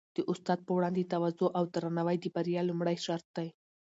د استاد په وړاندې تواضع او درناوی د بریا لومړی شرط دی.